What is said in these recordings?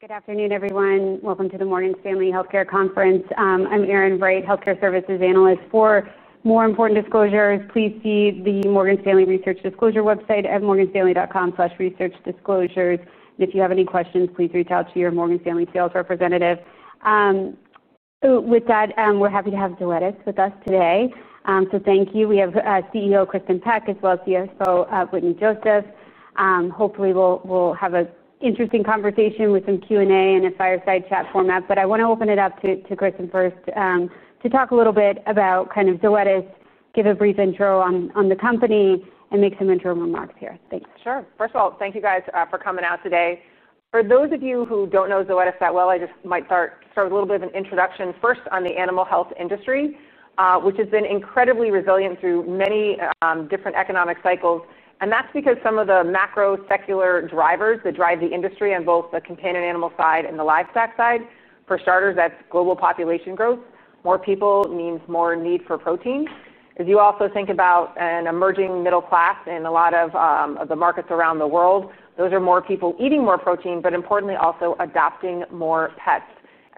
Good afternoon, everyone. Welcome to the Morgan Stanley Healthcare Conference. I'm Erin Wright, Healthcare Services Analyst. For more important disclosures, please see the Morgan Stanley Research Disclosure website at morganstanley.com/researchdisclosures. If you have any questions, please reach out to your Morgan Stanley sales representative. With that, we're happy to have Zoetis with us today. Thank you. We have CEO Kristin Peck as well as CFO Wetteny Joseph. Hopefully, we'll have an interesting conversation with some Q&A and a fireside chat format. I want to open it up to Kristin first to talk a little bit about Zoetis, give a brief intro on the company, and make some intro remarks here. Thanks. Sure. First of all, thank you guys for coming out today. For those of you who don't know Zoetis that well, I just might start with a little bit of an introduction. First, on the animal health industry, which has been incredibly resilient through many different economic cycles. That's because some of the macro secular drivers that drive the industry in both the companion animal side and the livestock side. For starters, that's global population growth. More people means more need for protein. As you also think about an emerging middle class in a lot of the markets around the world, those are more people eating more protein, but importantly also adopting more pets.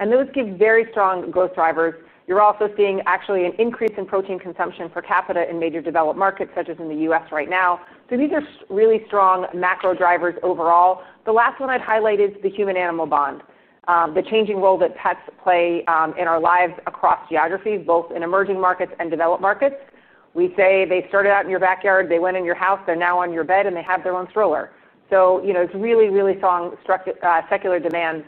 Those give very strong growth drivers. You're also seeing actually an increase in protein consumption per capita in major developed markets, such as in the U.S. right now. These are really strong macro drivers overall. The last one I'd highlight is the human-animal bond, the changing role that pets play in our lives across geographies, both in emerging markets and developed markets. We'd say they started out in your backyard, they went in your house, they're now on your bed, and they have their own stroller. It's really, really strong secular demand.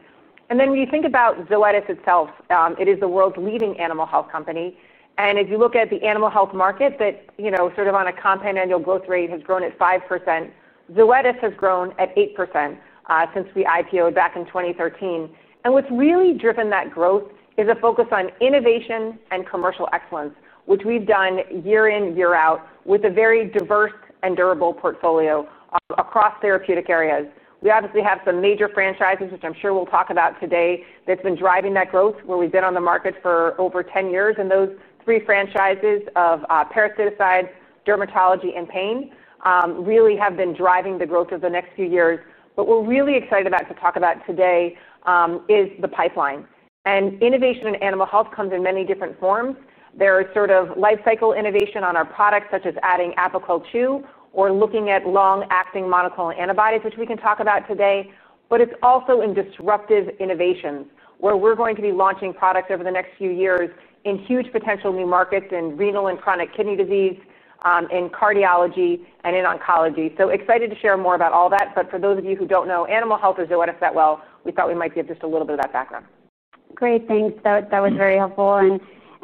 When you think about Zoetis itself, it is the world's leading animal health company. If you look at the animal health market, that sort of on a compound annual growth rate has grown at 5%. Zoetis has grown at 8% since we IPO'd back in 2013. What's really driven that growth is a focus on innovation and commercial excellence, which we've done year in, year out, with a very diverse and durable portfolio across therapeutic areas. We obviously have some major franchises, which I'm sure we'll talk about today, that's been driving that growth. We've been on the market for over 10 years. Those three franchises of parasiticide, dermatology, and pain really have been driving the growth of the next few years. What we're really excited about to talk about today is the pipeline. Innovation in animal health comes in many different forms. There is sort of lifecycle innovation on our products, such as adding Apoquel Chewable or looking at long-acting monoclonal antibodies, which we can talk about today. It's also in disruptive innovations, where we're going to be launching products over the next few years in huge potential new markets in renal and chronic kidney disease, in cardiology, and in oncology. Excited to share more about all that. For those of you who don't know animal health or Zoetis that well, we thought we might give just a little bit of that background. Great. Thanks. That was very helpful.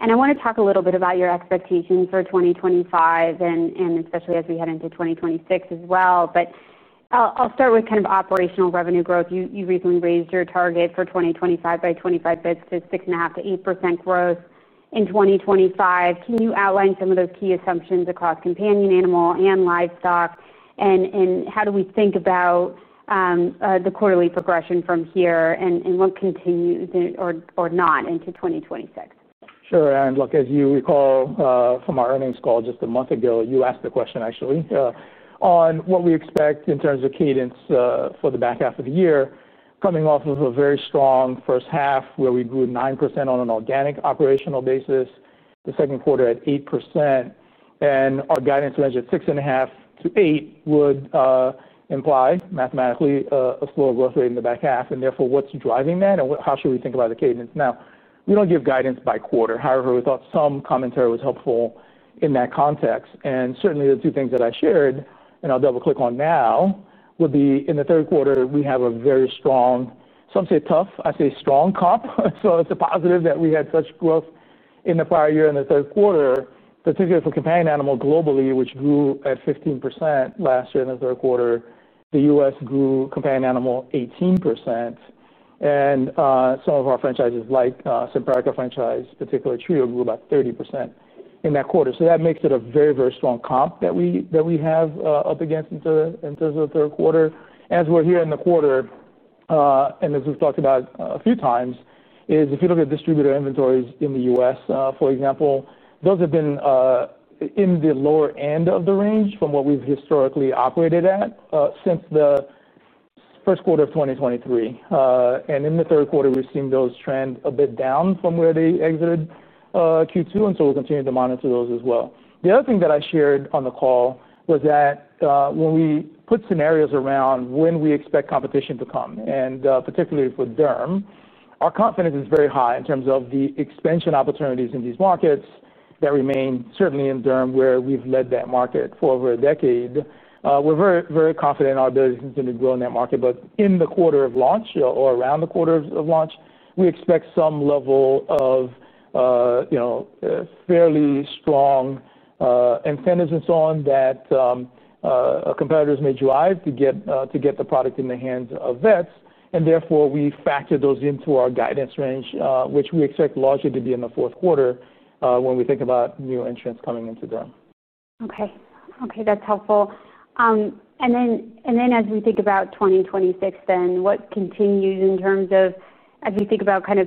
I want to talk a little bit about your expectations for 2025, especially as we head into 2026 as well. I'll start with kind of operational revenue growth. You recently raised your target for 2025 by 25 basis points to 6.5%- 8% growth in 2025. Can you outline some of those key assumptions across companion animal and livestock? How do we think about the quarterly progression from here and what continues or not into 2026? Sure. As you recall from our earnings call just a month ago, you asked the question, actually, on what we expect in terms of cadence for the back half of the year, coming off of a very strong first half where we grew 9% on an organic operational basis, the second quarter at 8%. Our guidance range at 6.5%-8 % would imply mathematically a slower growth rate in the back half. Therefore, what's driving that? How should we think about the cadence? We don't give guidance by quarter. However, we thought some commentary was helpful in that context. Certainly, the two things that I shared and I'll double-click on now would be in the third quarter, we have a very strong, some say tough, I'd say strong comp. It's a positive that we had such growth in the prior year in the third quarter, particularly for companion animal globally, which grew at 15% last year in the third quarter. The U.S. grew companion animal 18%. Some of our franchises, like Simparica franchise, particularly Trio, grew about 30% in that quarter. That makes it a very, very strong comp that we have up against in terms of the third quarter. As we're here in the quarter, and as we've talked about a few times, if you look at distributor inventories in the U.S., for example, those have been in the lower end of the range from where we've historically operated at since the first quarter of 2023. In the third quarter, we've seen those trend a bit down from where they exited Q2. We'll continue to monitor those as well. The other thing that I shared on the call was that when we put scenarios around when we expect competition to come, and particularly for derm, our confidence is very high in terms of the expansion opportunities in these markets that remain, certainly in derm, where we've led that market for over a decade. We're very, very confident in our ability to continue to grow in that market. In the quarter of launch or around the quarter of launch, we expect some level of fairly strong incentives and so on that competitors may drive to get the product in the hands of vets. Therefore, we factor those into our guidance range, which we expect largely to be in the fourth quarter when we think about new entrants coming into them. Okay. That's helpful. As we think about 2026, what continues in terms of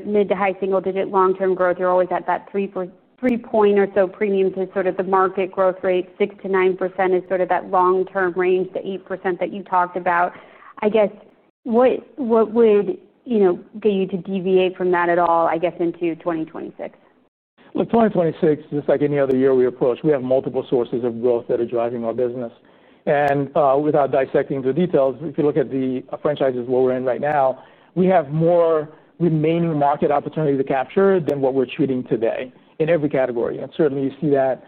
mid to high single-digit long-term growth? You're always at that three-point or so premium to the market growth rate, 6%- 9% is that long-term range, the 8% that you talked about. W hat would get you to deviate from that at all into 2026? In 2026, just like any other year we approach, we have multiple sources of growth that are driving our business. Without dissecting into details, if you look at the franchises where we're in right now, we have more remaining market opportunities to capture than what we're treating today in every category. You see that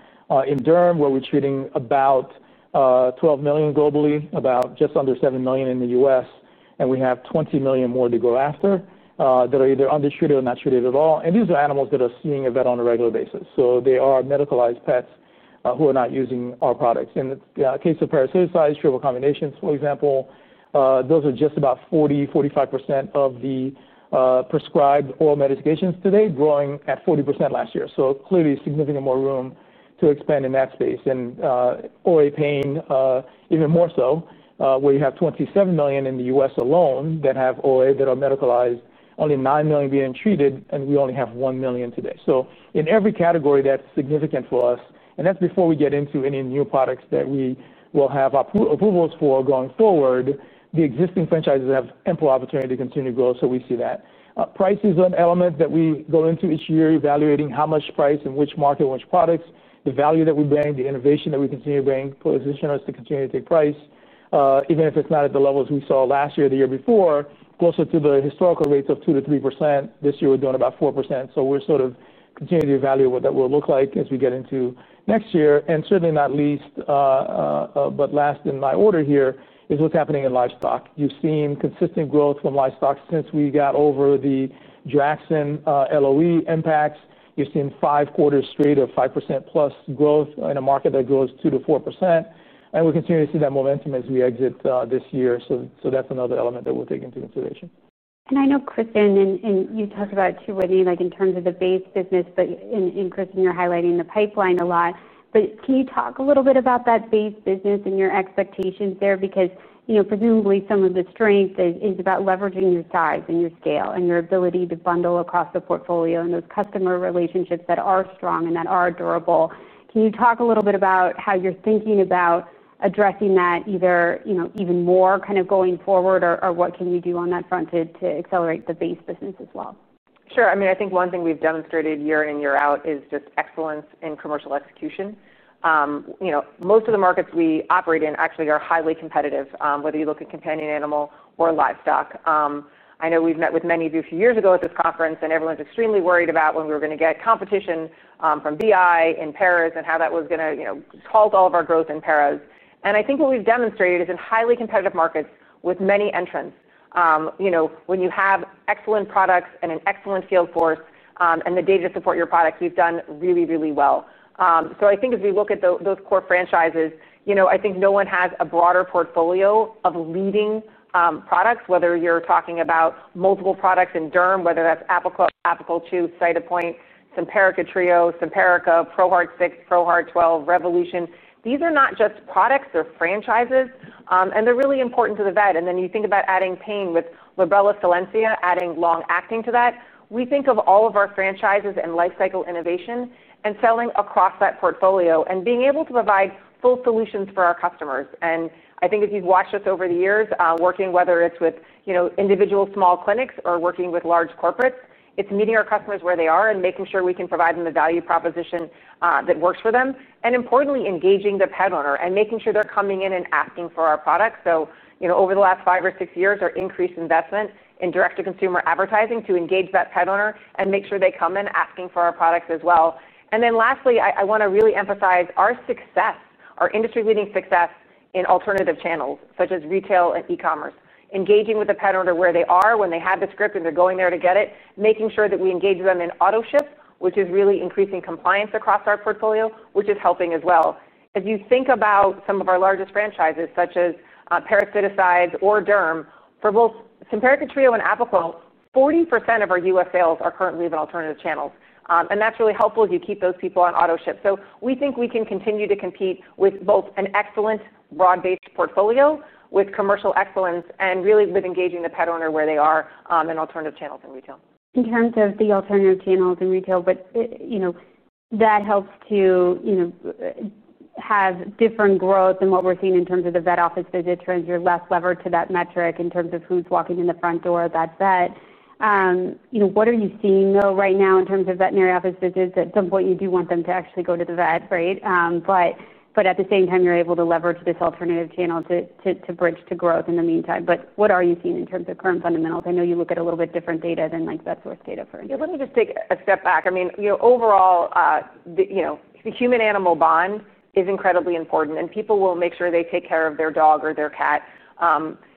in derm, where we're treating about 12 million globally, just under 7 million in the U.S., and we have 20 million more to go after that are either undertreated or not treated at all. These are animals that are seeing a vet on a regular basis, so they are medicalized pets who are not using our products. In the case of parasiticides, triple combinations, for example, those are just about 40%- 45% of the prescribed oral medications today, growing at 40% last year. Clearly, significant more room to expand in that space. OA pain, even more so, where you have 27 million in the U.S. alone that have OA that are medicalized, only 9 million being treated, and we only have 1 million today. In every category, that's significant for us, and that's before we get into any new products that we will have approvals for going forward. The existing franchises have ample opportunity to continue to grow. We see that. Price is an element that we go into each year, evaluating how much price in which market, which products, the value that we bring, the innovation that we continue to bring, position us to continue to take price, even if it's not at the levels we saw last year or the year before, closer to the historical rates of 2%- 3%. This year, we're doing about 4%. We're continuing to evaluate what that will look like as we get into next year. Certainly not least, but last in my order here, is what's happening in livestock. You've seen consistent growth from livestock since we got over the Draxxin LOE impacts. You've seen five quarters straight of 5%+ growth in a market that grows 2%- 4%. We're continuing to see that momentum as we exit this year. That's another element that we're taking into consideration. I know, Kristin, and you talked about it too, Wetteny, like in terms of the base business, but Kristin, you're highlighting the pipeline a lot, c an you talk a little bit about that base business and your expectations there? Presumably, some of the strength is about leveraging your size and your scale and your ability to bundle across the portfolio and those customer relationships that are strong and that are durable. Can you talk a little bit about how you're thinking about addressing that even more going forward or what can we do on that front to accelerate the base business as well? Sure. I think one thing we've demonstrated year in and year out is just excellence in commercial execution. Most of the markets we operate in actually are highly competitive, whether you look at companion animal or livestock. I know we've met with many of you a few years ago at this conference, and everyone's extremely worried about when we were going to get competition from BI in paras and how that was going to halt all of our growth in paras. I think what we've demonstrated is in highly competitive markets with many entrants, when you have excellent products and an excellent sales force and the data to support your products, we've done really, really well. I think as we look at those core franchises, no one has a broader portfolio of leading products, whether you're talking about multiple products in derm, whether that's Apoquel, Apoquel Chew, Cytopoint, Simparica Trio, Simparica, ProHeart 6, ProHeart 12, Revolution. These are not just products. They're franchises. They're really important to the vet. You think about adding pain with Librela, Solensia, adding long acting to that. We think of all of our franchises and lifecycle innovation and selling across that portfolio and being able to provide full solutions for our customers. I think if you've watched us over the years, working whether it's with individual small clinics or working with large corporates, it's meeting our customers where they are and making sure we can provide them the value proposition that works for them. Importantly, engaging the pet owner and making sure they're coming in and asking for our products. Over the last five or six years, our increased investment in direct-to-consumer advertising to engage that pet owner and make sure they come in asking for our products as well. Lastly, I want to really emphasize our success, our industry-leading success in alternative channels, such as retail and e-commerce. Engaging with the pet owner where they are, when they have the script and they're going there to get it, making sure that we engage them in auto-ships, which is really increasing compliance across our portfolio, which is helping as well. As you think about some of our largest franchises, such as parasiticides or derm, for both Simparica Trio and Apoquel, 40% of our U.S. sales are currently in alternative channels. That's really helpful as you keep those people on auto-ship. We think we can continue to compete with both an excellent broad-based portfolio with commercial excellence and really with engaging the pet owner where they are in alternative channels in retail. In terms of the alternative channels in retail, that helps to have different growth than what we're seeing in terms of the vet office visit trends. You're less levered to that metric in terms of who's walking in the front door of that vet. What are you seeing, though, right now in terms of veterinary office visits? At some point, you do want them to actually go to the vet, right? At the same time, you're able to leverage this alternative channel to bridge to growth in the meantime. What are you seeing in terms of current fundamentals? I know you look at a little bit different data than like VetSource data, for instance. Let me just take a step back. Overall, the human-animal bond is incredibly important. People will make sure they take care of their dog or their cat.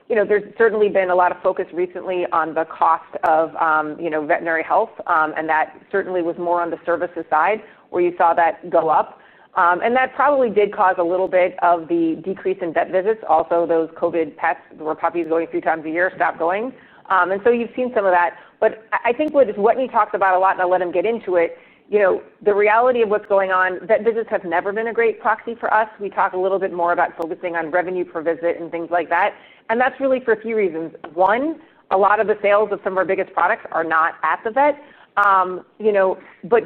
There's certainly been a lot of focus recently on the cost of veterinary health. That certainly was more on the services side where you saw that go up. That probably did cause a little bit of the decrease in vet visits. Also, those COVID pets were puppies going three times a year, stopped going. You've seen some of that. What Wetteny talks about a lot, and I'll let him get into it, the reality of what's going on, vet visits have never been a great proxy for us. We talk a little bit more about focusing on revenue per visit and things like that. That's really for a few reasons. One, a lot of the sales of some of our biggest products are not at the vet.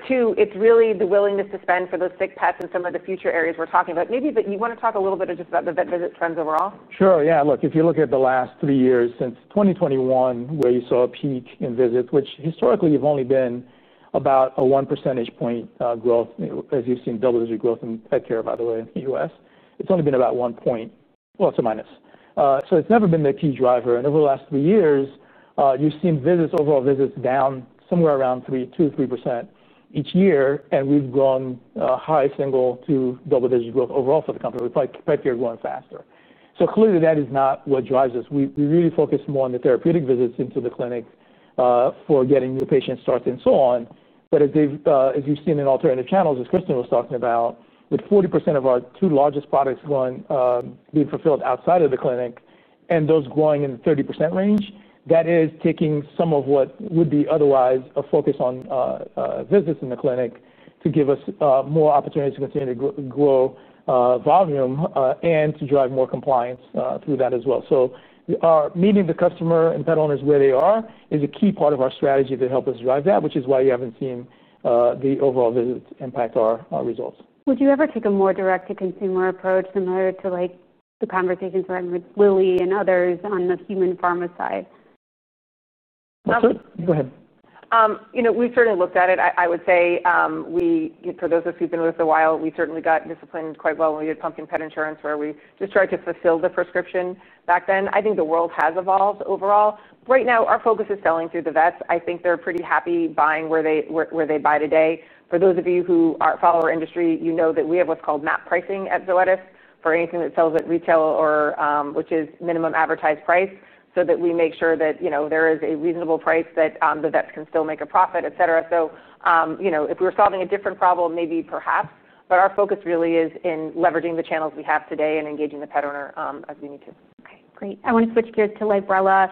Two, it's really the willingness to spend for those big pets and some of the future areas we're talking about. Maybe you want to talk a little bit just about the vet visit trends overall? Sure. Yeah. Look, if you look at the last three years since 2021, where you saw a peak in visits, which historically have only been about a 1 percentage point growth, as you've seen double-digit growth in pet care, by the way, in the U.S., it's only been about 1 point±. It's never been the key driver. Over the last three years, you've seen visits, overall visits, down somewhere around 2%- 3% each year. We've grown high single to double-digit growth overall for the company with pet c are growing faster. Clearly, that is not what drives us. We really focus more on the therapeutic visits into the clinic for getting new patients started and so on. As you've seen in alternative channels, as Kristin was talking about, with 40% of our two largest products being fulfilled outside of the clinic and those growing in the 30% range, that is taking some of what would be otherwise a focus on visits in the clinic to give us more opportunities to continue to grow volume and to drive more compliance through that as well. Meeting the customer and pet owners where they are is a key part of our strategy to help us drive that, which is why you haven't seen the overall visits impact our results. Would you ever take a more direct-to-consumer approach similar to the conversations we're having with Lilly and others on the human pharma side? Go ahead. We've certainly looked at it. I would say, for those of us who've been with us a while, we certainly got disciplined quite well when we did Pumpkin Pet Insurance, where we just tried to fulfill the prescription back then. I think the world has evolved overall. Right now, our focus is selling through the vets. I think they're pretty happy buying where they buy today. For those of you who follow our industry, you know that we have what's called MAP pricing at Zoetis for anything that sells at retail or which is minimum advertised price, so that we make sure that there is a reasonable price that the vets can still make a profit, etc. If we're solving a different problem, maybe perhaps. Our focus really is in leveraging the channels we have today and engaging the pet owner as we need to. Okay. Great. I want to switch gears to Librela.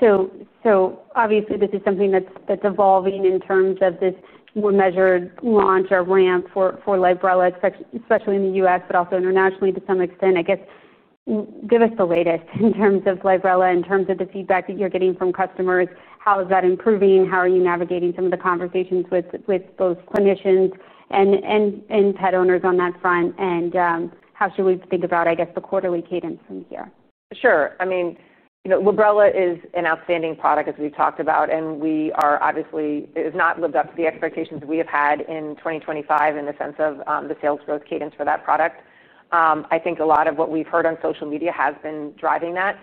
This is something that's evolving in terms of this more measured launch or ramp for Librela, especially in the U.S., but also internationally to some extent. G ive us the latest in terms of Librela, in terms of the feedback that you're getting from customers. How is that improving? How are you navigating some of the conversations with both clinicians and pet owners on that front? How should we think about the quarterly cadence from here? Sure. Librela is an outstanding product, as we've talked about. It has not lived up to the expectations that we have had in 2025 in the sense of the sales growth cadence for that product. I think a lot of what we've heard on social media has been driving that.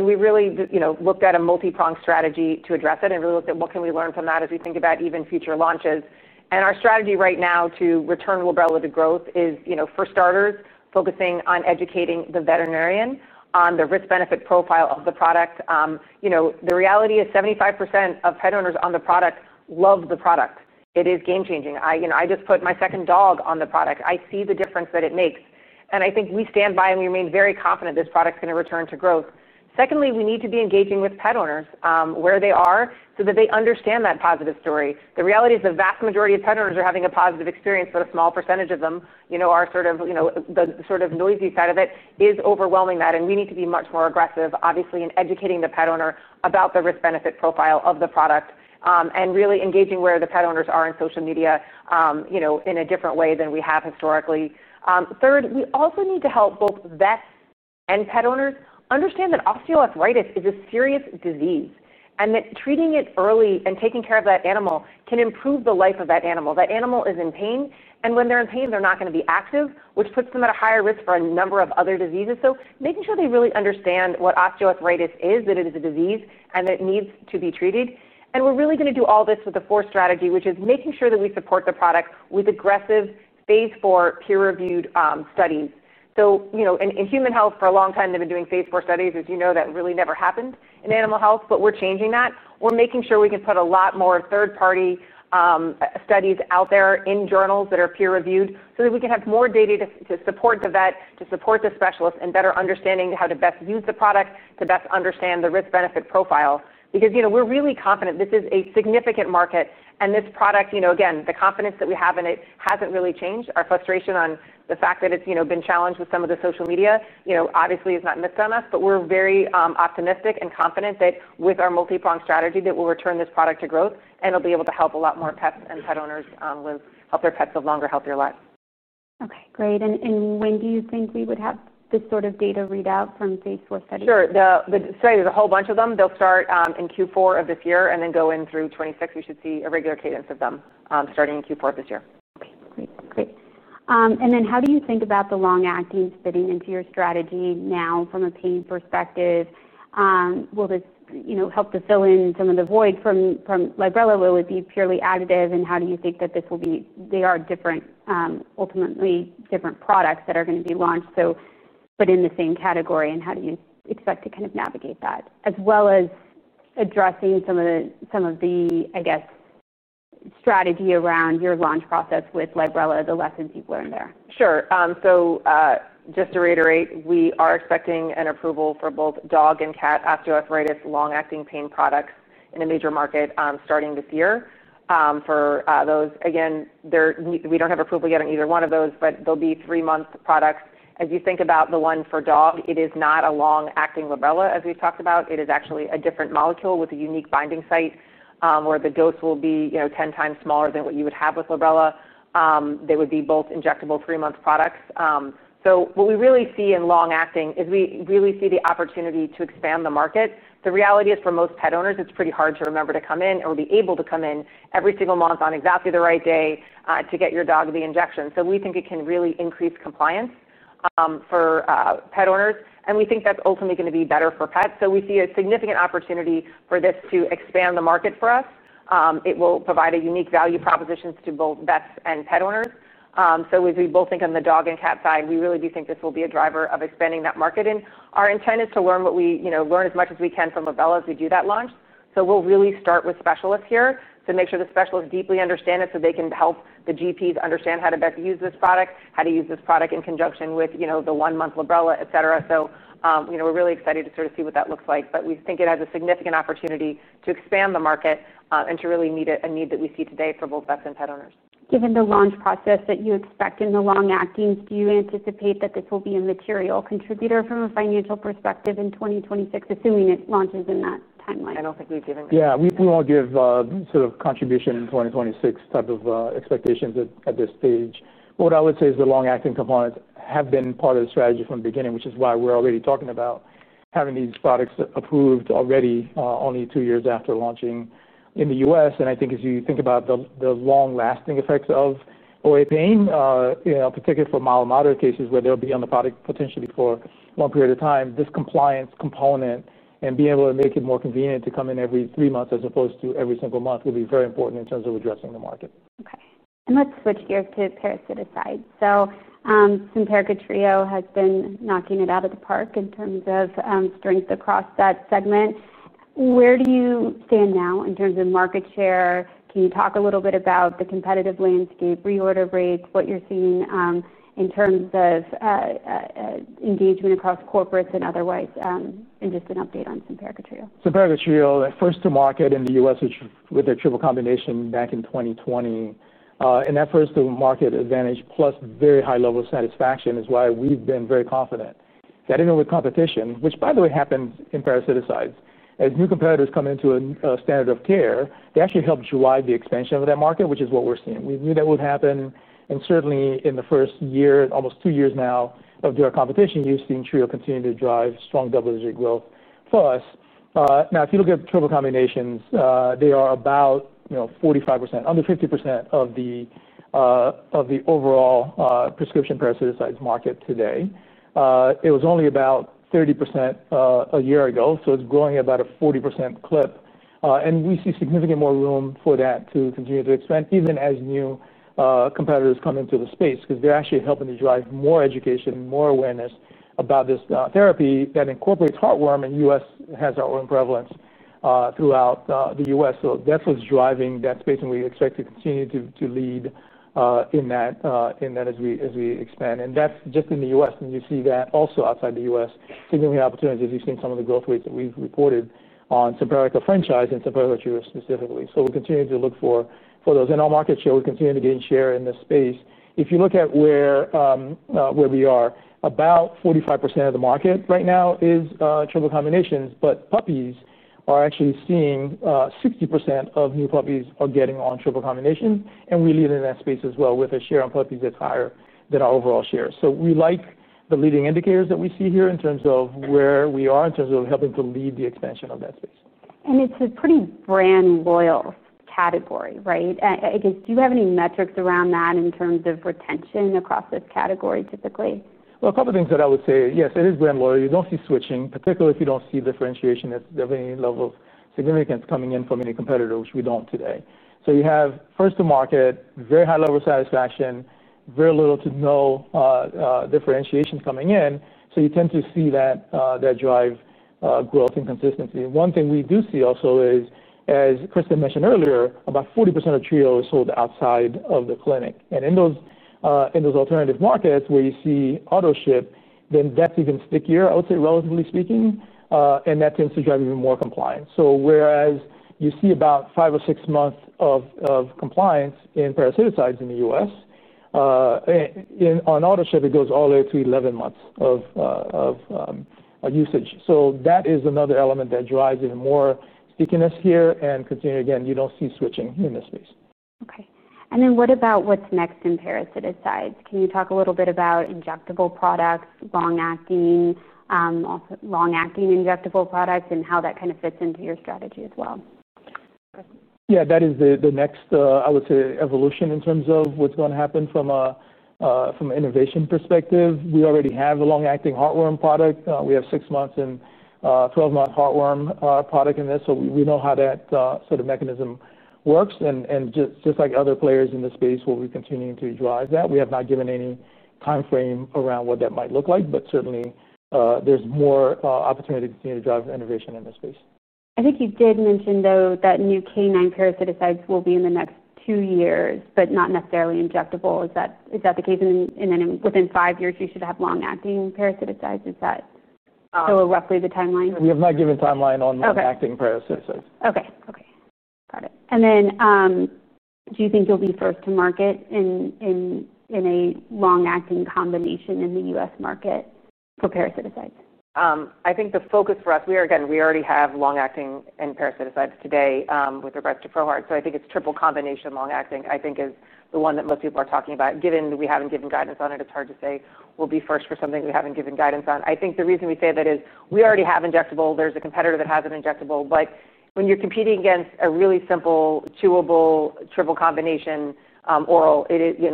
We really looked at a multi-prong strategy to address it and really looked at what can we learn from that as we think about even future launches. Our strategy right now to return Librela to growth is, for starters, focusing on educating the veterinarian on the risk-benefit profile of the product. The reality is 75% of pet owners on the product love the product. It is game-changing. I just put my second dog on the product. I see the difference that it makes. I think we stand by and we remain very confident this product is going to return to growth. Secondly, we need to be engaging with pet owners where they are so that they understand that positive story. The reality is the vast majority of pet owners are having a positive experience, but a small percentage of them are, the sort of noisy side of it is overwhelming that. We need to be much more aggressive, obviously, in educating the pet owner about the risk-benefit profile of the product and really engaging where the pet owners are in social media, in a different way than we have historically. Third, we also need to help both vets and pet owners understand that osteoarthritis is a serious disease and that treating it early and taking care of that animal can improve the life of that animal. That animal is in pain. When they're in pain, they're not going to be active, which puts them at a higher risk for a number of other diseases. Making sure they really understand what osteoarthritis is, that it is a disease and that it needs to be treated. We're really going to do all this with a fourth strategy, which is making sure that we support the product with aggressive phase IV peer-reviewed studies. In human health, for a long time, they've been doing phase IV studies, as you know, that really never happened in animal health. We're changing that. We're making sure we can put a lot more third-party studies out there in journals that are peer-reviewed, so that we can have more data to support the vet, to support the specialist, and better understand how to best use the product to best understand the risk-benefit profile. We're really confident this is a significant market, and this product, again, the confidence that we have in it hasn't really changed. Our frustration on the fact that it's been challenged with some of the social media, obviously, is not missed on us. We're very optimistic and confident that with our multi-prong strategy, we'll return this product to growth and it'll be able to help a lot more pets and pet owners help their pets live longer, healthier lives. Great. When do you think we would have this data readout from phase IV studies? Sure. The whole bunch of them., th ey'll start in Q4 of this year and then go in through 2026. We should see a regular cadence of them starting in Q4 of this year. Great. How do you think about the long-acting fitting into your strategy now from a pain perspective? Will this help to fill in some of the voids from Librela? Will it be purely additive? How do you think that this will be? They are, ultimately, different products that are going to be launched, but in the same category. How do you expect to n avigate that, as well as addressing some of the strategy around your launch process with Librela, the lessons you've learned there? Sure. So just to reiterate, we are expecting an approval for both dog and cat osteoarthritis long-acting pain products in a major market starting this year. For those, again, we don't have approval yet on either one of those, but they'll be three-month products. As you think about the one for dog, it is not a long-acting Librela, as we've talked about. It is actually a different molecule with a unique binding site where the dose will be 10x smaller than what you would have with Librela. They would be both injectable three-month products. What we really see in long-acting is we really see the opportunity to expand the market. The reality is for most pet owners, it's pretty hard to remember to come in or be able to come in every single month on exactly the right day to get your dog the injection. We think it can really increase compliance for pet owners. We think that's ultimately going to be better for pets. We see a significant opportunity for this to expand the market for us. It will provide a unique value proposition to both vets and pet owners. As we both think on the dog and cat side, we really do think this will be a driver of expanding that market. Our intent is to learn as much as we can from Librela as we do that launch. We'll really start with specialists here to make sure the specialists deeply understand it so they can help the GPs understand how to best use this product, how to use this product in conjunction with, you know, the one-month Librela, etc. We're really excited to sort of see what that looks like. We think it has a significant opportunity to expand the market and to really meet a need that we see today for both vets and pet owners. Given the launch process that you expect in the long-acting, do you anticipate that this will be a material contributor from a financial perspective in 2026, assuming it launches in that timeline? I don't think we do. Yeah. We cannot give contribution in 2026 type of expectations at this stage. What I would say is the long-acting components have been part of the strategy from the beginning, which is why we're already talking about having these products approved already only two years after launching in the U.S. I think as you think about the long-lasting effects of OA pain, particularly for mild to moderate cases where they'll be on the product potentially for a long period of time, this compliance component and being able to make it more convenient to come in every three months as opposed to every single month would be very important in terms of addressing the market. Okay. Let's switch gears to parasiticides. Simparica Trio has been knocking it out of the park in terms of strength across that segment. Where do you stand now in terms of market share? Can you talk a little bit about the competitive landscape, reorder rates, what you're seeing in terms of engagement across corporates and otherwise, and just an update on Simparica Trio? Simparica Trio, that first-to-market in the U.S. with their triple combination back in 2020, and that first-to-market advantage, plus very high level satisfaction, is why we've been very confident that in our competition, which by the way happened in parasiticides, as new competitors come into a standard of care, they actually help drive the expansion of that market, which is what we're seeing. We knew that would happen. Certainly, in the first year, almost two years now of their competition, you've seen Trio continue to drive strong double-digit growth for us. If you look at triple combinations, they are about 45%, under 50% of the overall prescription parasiticides market today. It was only about 30% a year ago. It's growing at about a 40% clip. We see significant more room for that to continue to expand even as new competitors come into the space because they're actually helping to drive more education, more awareness about this therapy that incorporates heartworm and has our own prevalence throughout the U.S. That's what's driving that space, and we expect to continue to lead in that as we expand. That's just in the U.S. You see that also outside the U.S., giving the opportunities as you've seen some of the growth rates that we've reported on Simparica franchise and Simparica Trio specifically. We'll continue to look for those. Our market share will continue to gain share in this space. If you look at where we are, about 45% of the market right now is triple combinations, but puppies are actually seeing 60% of new puppies are getting on triple combination. We lead in that space as well with a share on puppies that's higher than our overall share. We like the leading indicators that we see here in terms of where we are in terms of helping to lead the expansion of that space. It's a pretty brand loyal category, right? Do you have any metrics around that in terms of retention across this category typically? A couple of things that I would say, yes, it is brand loyal. You don't see switching, particularly if you don't see differentiation of any level of significance coming in from any competitor, which we don't today. You have first-to-market, very high level of satisfaction, very little to no differentiations coming in. You tend to see that drive growth inconsistency. One thing we do see also is, as Kristin mentioned earlier, about 40% of Trio is sold outside of the clinic. In those alternative markets where you see auto-ship, that's even stickier, I would say, relatively speaking. That tends to drive even more compliance. Whereas you see about five or six months of compliance in parasiticides in the U.S., on auto-ship, it goes all the way up to 11 months of usage. That is another element that drives even more stickiness here. Continuing, again, you don't see switching in this space. Okay. What about what's next in parasiticides? Can you talk a little bit about injectable products, long-acting injectable products, and how that kind of fits into your strategy as well? Yeah, that is the next, I would say, evolution in terms of what's going to happen from an innovation perspective. We already have a long-acting heartworm product. We have a 6-month and 12-month heartworm product in this. We know how that sort of mechanism works. Just like other players in this space, we're continuing to drive that. We have not given any timeframe around what that might look like, but certainly, there's more opportunity to continue to drive innovation in this space. I think you did mention, though, that new canine parasiticides will be in the next two years, but not necessarily injectable. Is that the case? Within five years, we should have long-acting parasiticides. Is that still roughly the timeline? We have not given a timeline on long-acting parasiticides. Okay. Got it. Do you think you'll be first to market in a long-acting combination in the U.S. market for parasiticides? I think the focus for us, we are, again, we already have long-acting in parasiticides today with regards to ProHeart. I think it's triple combination long-acting, I think, is the one that most people are talking about. Given that we haven't given guidance on it, it's hard to say we'll be first for something we haven't given guidance on. I think the reason we say that is we already have injectable. There's a competitor that has an injectable. When you're competing against a really simple, chewable triple combination oral,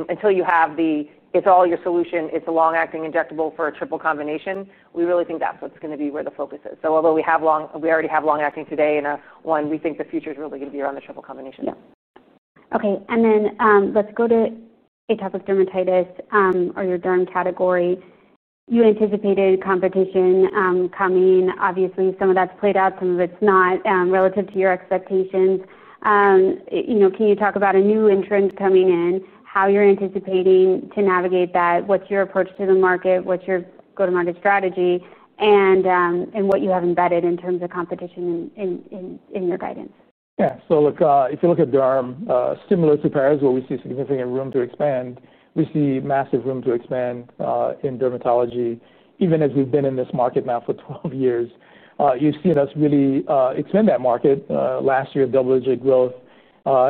until you have the, it's all your solution, it's a long-acting injectable for a triple combination, we really think that's what's going to be where the focus is. Although we have long, we already have long-acting today in a one, we think the future is really going to be around the triple combination. Okay. Let's go to atopic dermatitis or your derm category. You anticipated competition coming. Obviously, some of that's played out, some of it's not relative to your expectations. Can you talk about a new entrant coming in, how you're anticipating to navigate that, what's your approach to the market, what's your go-to-market strategy, and what you have embedded in terms of competition in your guidance? Yeah. If you look at derm, stimulatory parents, where we see significant room to expand, we see massive room to expand in dermatology, even as we've been in this market now for 12 years. You've seen us really expand that market last year, double-digit growth,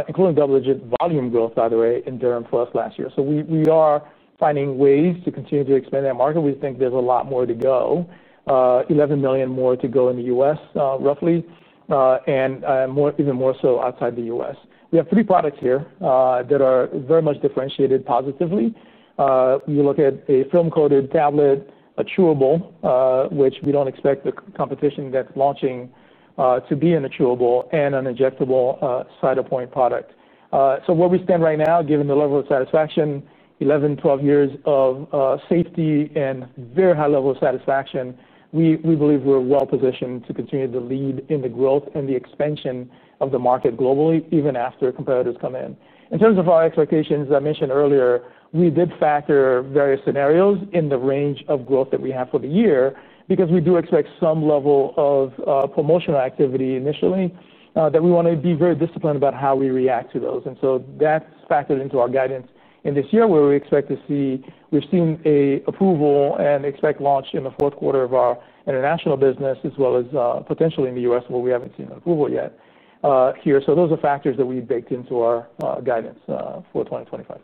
including double-digit volume growth, by the way, in derm for us last year. We are finding ways to continue to expand that market. We think there's a lot more to go, $11 million more to go in the U.S., roughly, and even more so outside the U.S. We have three products here that are very much differentiated positively. You look at a film-coated tablet, a chewable, which we don't expect the competition that's launching to be in a chewable, and an injectable Cytopoint product. Where we stand right now, given the level of satisfaction, 11, 12 years of safety and very high level of satisfaction, we believe we're well positioned to continue to lead in the growth and the expansion of the market globally, even after competitors come in. In terms of our expectations, I mentioned earlier, we did factor various scenarios in the range of growth that we have for the year because we do expect some level of promotional activity initially that we want to be very disciplined about how we react to those. That's factored into our guidance in this year, where we've seen an approval and expect launch in the fourth quarter of our international business, as well as potentially in the U.S. where we haven't seen an approval yet here. Those are factors that we baked into our guidance for 2025.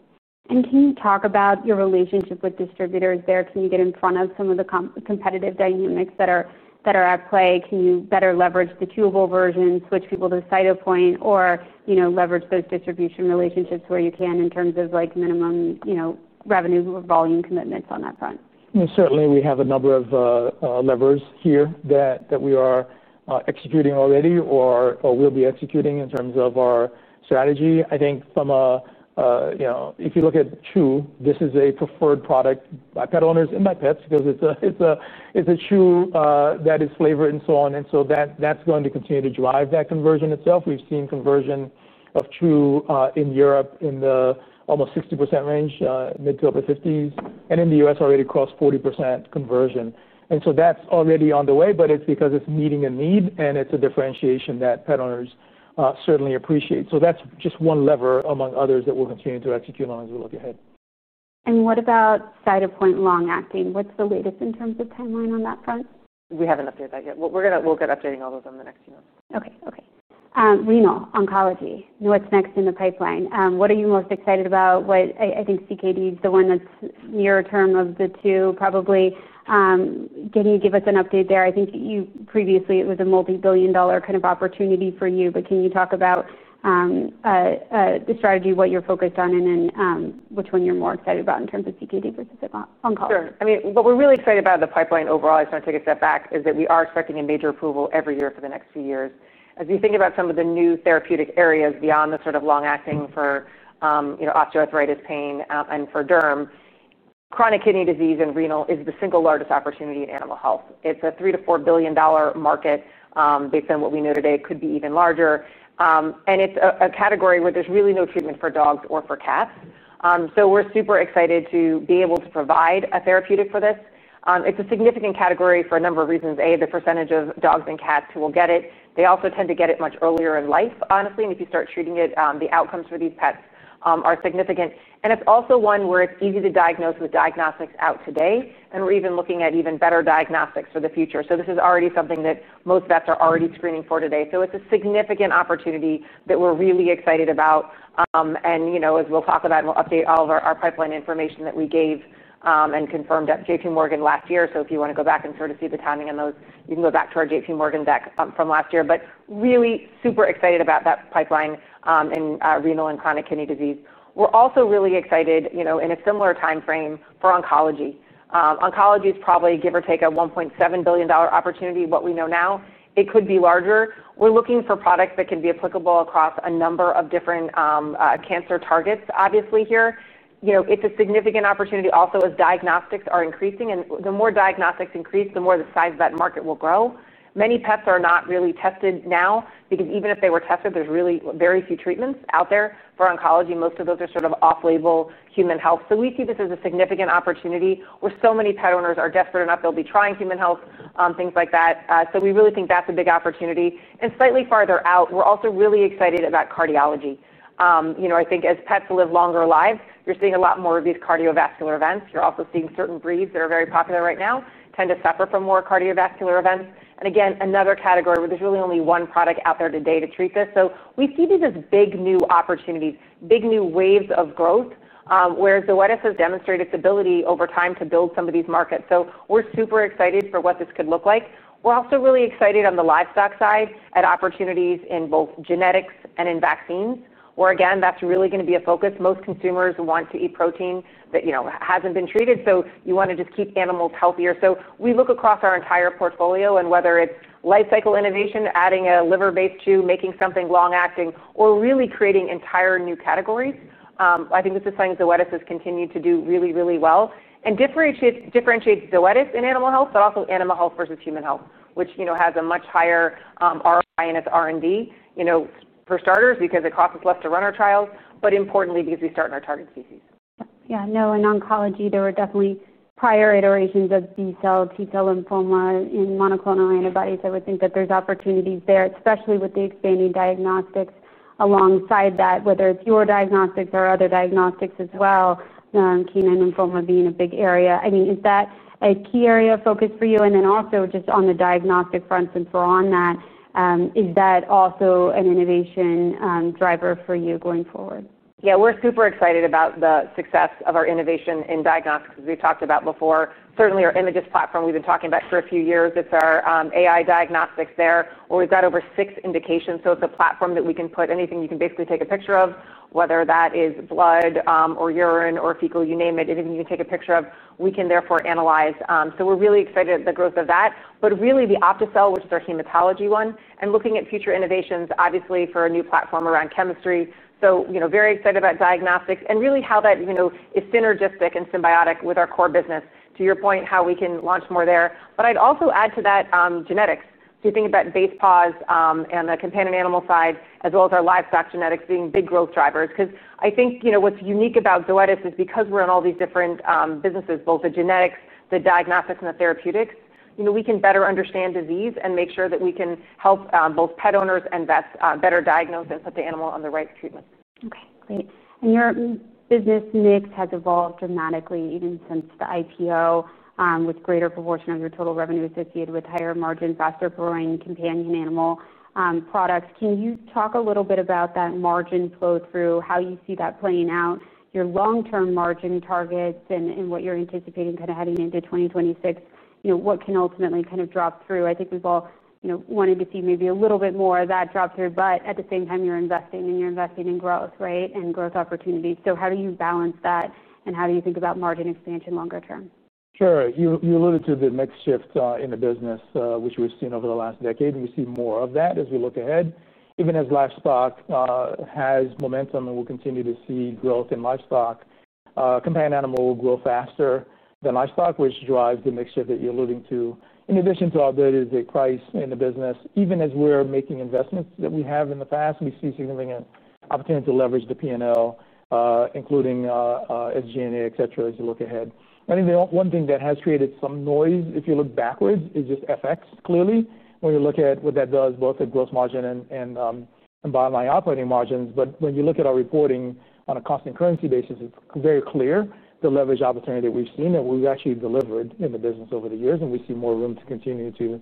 Can you talk about your relationship with distributors there? Can you get in front of some of the competitive dynamics that are at play? Can you better leverage the chewable version, switch people to Cytopoint, or leverage those distribution relationships where you can in terms of minimum revenue or volume commitments on that front? Certainly, we have a number of levers here that we are executing already or will be executing in terms of our strategy. I f you look at Chew, this is a preferred product by pet owners and by pets because it's a chew that is flavored and so on. That is going to continue to drive that conversion itself. We've seen conversion of Chew in Europe in the almost 60% range, mid to upper 50%, and in the U.S. already across 40% conversion. That is already on the way, but it's because it's meeting a need and it's a differentiation that pet owners certainly appreciate. That's just one lever among others that we'll continue to execute on as we look ahead. What about Cytopoint long-acting? What's the latest in terms of timeline on that front? We haven't updated that yet. We'll get updating all those in the next few months. Okay. Renal oncology, what's next in the pipeline? What are you most excited about? What I think CKD, the one that's nearer term of the two, probably. Can you give us an update there? I think previously, it was a multi-billion dollar opportunity for you, but can you talk about the strategy, what you're focused on, and then which one you're more excited about in terms of CKD-specific oncology? Sure. What we're really excited about in the pipeline overall, I just want to take a step back, is that we are expecting a major approval every year for the next two years. As we think about some of the new therapeutic areas beyond the long-acting for osteoarthritis pain and for derm, chronic kidney disease and renal is the single largest opportunity in animal health. It's a $3 billion- $4 billion market. Based on what we know today, it could be even larger. It's a category where there's really no treatment for dogs or for cats. We're super excited to be able to provide a therapeutic for this. It's a significant category for a number of reasons. A, the percentage of dogs and cats who will get it. They also tend to get it much earlier in life, honestly. If you start treating it, the outcomes for these pets are significant. It's also one where it's easy to diagnose with diagnostics out today. We're even looking at even better diagnostics for the future. This is already something that most vets are already screening for today. It's a significant opportunity that we're really excited about. As we'll talk about, we'll update all of our pipeline information that we gave and confirmed at JPMorgan last year. If you want to go back and sort of see the timing on those, you can go back to our JPMorgan deck from last year. Really super excited about that pipeline in renal and chronic kidney disease. We're also really excited, in a similar timeframe, for oncology. Oncology is probably, give or take, a $1.7 billion opportunity, what we know now. It could be larger. We're looking for products that can be applicable across a number of different cancer targets, obviously, here. It's a significant opportunity also as diagnostics are increasing. The more diagnostics increase, the more the size of that market will grow. Many pets are not really tested now because even if they were tested, there's really very few treatments out there for oncology. Most of those are sort of off-label human health. We see this as a significant opportunity where so many pet owners are desperate enough they'll be trying human health, things like that. We really think that's a big opportunity. Slightly farther out, we're also really excited about cardiology. I think as pets live longer lives, you're seeing a lot more of these cardiovascular events. You're also seeing certain breeds that are very popular right now tend to suffer from more cardiovascular events. Another category where there's really only one product out there today to treat this. We see these as big new opportunities, big new waves of growth, where Zoetis has demonstrated its ability over time to build some of these markets. We're super excited for what this could look like. We're also really excited on the livestock side at opportunities in both genetics and in vaccines, where that's really going to be a focus. Most consumers want to eat protein that hasn't been treated. You want to just keep animals healthier. We look across our entire portfolio and whether it's lifecycle innovation, adding a liver-based chew, making something long-acting, or really creating entire new categories. I think this is something Zoetis has continued to do really, really well and differentiates Zoetis in animal health, but also animal health versus human health, which has a much higher ROI in its R&D, for starters, because it costs us less to run our trials, but importantly, because we start in our target species. In oncology, there were definitely prior iterations of B-cell, T-cell lymphoma in monoclonal antibodies. I would think that there's opportunities there, especially with the expanding diagnostics alongside that, whether it's your diagnostics or other diagnostics as well. Canine lymphoma being a big area. Is that a key area of focus for you? Also, just on the diagnostic front, since we're on that, is that also an innovation driver for you going forward? Yeah, we're super excited about the success of our innovation in diagnostics as we've talked about before. Certainly, our Images platform we've been talking about for a few years. It's our AI diagnostics there, where we've got over six indications. It's a platform that we can put anything you can basically take a picture of, whether that is blood or urine or fecal, you name it, anything you can take a picture of, we can therefore analyze. We're really excited at the growth of that. The OptiCell, which is our hematology one, and looking at future innovations, obviously, for a new platform around chemistry. We're very excited about diagnostics and really how that is synergistic and symbiotic with our core business. To your point, how we can launch more there. I'd also add to that genetics. If you think about Basepaws and the companion animal side, as well as our livestock genetics being big growth drivers. I think what's unique about Zoetis is because we're in all these different businesses, both the genetics, the diagnostics, and the therapeutics, we can better understand disease and make sure that we can help both pet owners and vets better diagnose and put the animal on the right treatment. Okay. Great. Your business mix has evolved dramatically even since the IPO with a greater proportion of your total revenue associated with higher margin, faster growing companion animal products. Can you talk a little bit about that margin flow-through, how you see that playing out, your long-term margin targets, and what you're anticipating heading into 2026, what can ultimately kind of drop through? I think we've all wanted to see maybe a little bit more of that drop through. At the same time, you're investing and you're investing in growth and growth opportunities. How do you balance that? How do you think about margin expansion longer term? Sure. You alluded to the next shift in the business, which we've seen over the last decade, and we see more of that as we look ahead. Even as livestock has momentum and we'll continue to see growth in livestock, companion animal will grow faster than livestock, which drives the mixture that you're alluding to. In addition to our day-to-day price in the business, even as we're making investments that we have in the past, we see significant opportunity to leverage the P&L, including as G&A, etc., as you look ahead. I think the one thing that has created some noise, if you look backwards, is just FX, clearly, when you look at what that does, both at gross margin and bottom line operating margins. When you look at our reporting on a cost and currency basis, it's very clear the leverage opportunity that we've seen and we've actually delivered in the business over the years. We see more room to continue to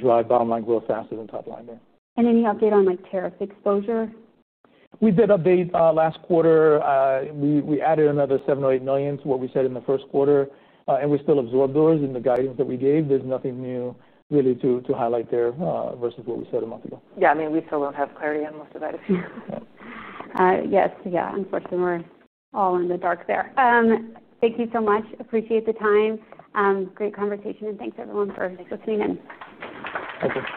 drive bottom line growth faster than top line there. Any update on tariff exposures? We did update last quarter. We added another $7 million or $8 million to what we said in the first quarter, and we still absorb those in the guidance that we gave. There's nothing new really to highlight there versus what we said a month ago. Yeah, we still won't have clarity on most of that. Yes. Unfortunately, we're all in the dark there. Thank you so much. Appreciate the time. Great conversation. Thanks, everyone, for listening in. Thanks, everyone.